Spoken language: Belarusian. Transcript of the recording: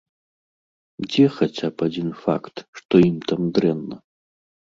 Дзе хаця б адзін факт, што ім там дрэнна?